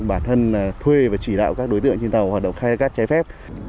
bản thân thuê và chỉ đạo các đối tượng trên tàu hoạt động khai thác cát trái phép